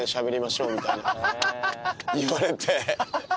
言われて。